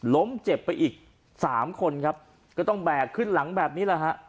ล้มเจ็บไปอีกสามคนครับก็ต้องแบกขึ้นหลังแบบนี้แหละฮะ